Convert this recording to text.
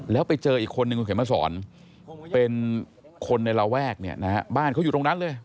แล้วไปเจออีกคนนึงคุณเขียนมาสอนเป็นคนในระแวกเนี่ยนะฮะบ้านเขาอยู่ตรงนั้นเลย